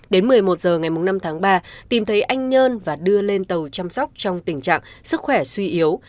đến một mươi một h ngày năm tháng ba tìm thấy anh nhân và đưa lên tàu chăm sóc trong tình trạng sức khỏe suy yếu